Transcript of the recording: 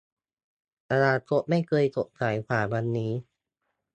อนาคตไม่เคยสดใสกว่าวันนี้